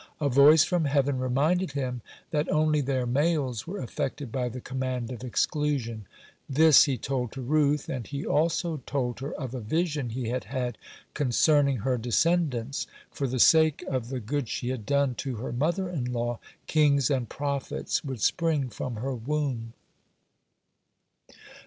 A voice from heaven reminded him that only their males were affected by the command of exclusion. (53) This he told to Ruth, and he also told her of a vision he had had concerning her descendants. For the sake of the good she had done to her mother in law, kings and prophets would spring from her womb.